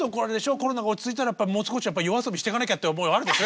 コロナが落ち着いたらもう少しやっぱ夜遊びしてかなきゃって思いはあるでしょ